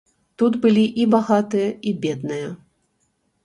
Тут былі і багатыя, і бедныя.